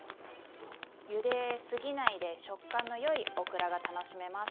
ゆですぎないで食感のよいオクラが楽しめます。